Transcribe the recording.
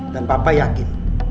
dan papa yakin